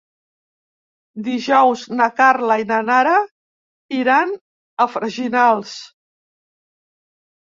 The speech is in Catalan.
Dijous na Carla i na Nara iran a Freginals.